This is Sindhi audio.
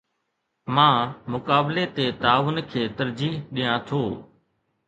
مان مقابلي تي تعاون کي ترجيح ڏيان ٿو